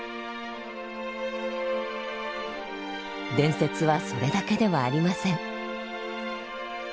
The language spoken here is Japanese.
伝説はそれだけではありません。